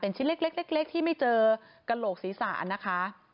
ชิ้นเล็กที่ไม่เจอกระโหลกศีรษะนะคะ